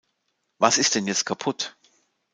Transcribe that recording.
Was ist denn jetzt kaputt?